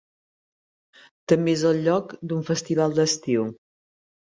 També és el lloc d'un festival d'estiu.